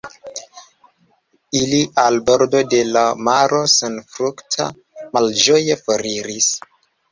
Ili al bordo de l' maro senfrukta malĝoje foriris.